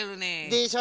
でしょ！